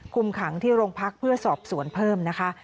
คุมขังที่โรงพักเพื่อสอบสวนเพิ่มนะคะ